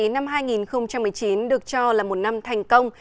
năm hai nghìn một mươi chín được cho là một năm thành công